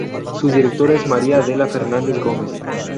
Su directora es María Adela Fernandez Gómez.